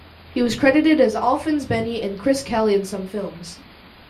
He was credited as Alfons Beny and Chris Kelly in some films.